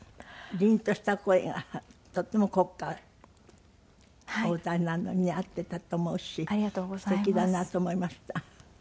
りんとした声がとっても国歌お歌いになるのにね合っていたと思うしすてきだなと思いました。